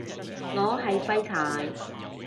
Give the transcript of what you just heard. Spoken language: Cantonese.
我係廢柴